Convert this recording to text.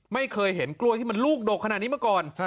ไม่เคยเห็นกล้วยที่มันลูกดกขนาดนี้มาก่อน